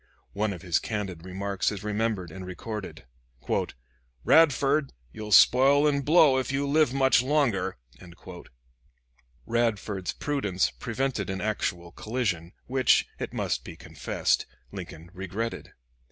One of his candid remarks is remembered and recorded: "Radford! you'll spoil and blow, if you live much longer." Radford's prudence prevented an actual collision, which, it must be confessed, Lincoln regretted.